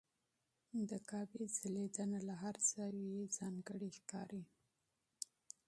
د کعبې ځلېدنه له هر زاویې ځانګړې ښکاري.